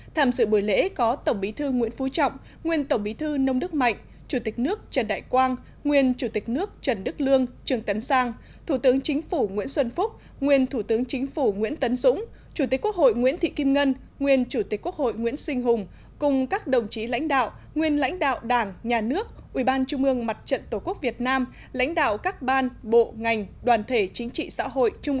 tham dự buổi lễ có tổng bí thư nguyễn phú trọng nguyên tổng bí thư nông đức mạnh chủ tịch nước trần đại quang nguyên chủ tịch nước trần đức lương trường tấn sang thủ tướng chính phủ nguyễn xuân phúc nguyên thủ tướng chính phủ nguyễn tấn dũng chủ tịch quốc hội nguyễn thị kim ngân nguyên chủ tịch quốc hội nguyễn sinh hùng cùng các đồng chí lãnh đạo nguyên lãnh đạo đảng nhà nước ubnd bạch trận tổ quốc việt nam lãnh đạo các ban bộ ngành đoàn thể chính trị xã hội tr